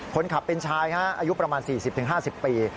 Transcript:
คนขับเป็นชายฮะอายุประมาณ๔๐๕๐ปี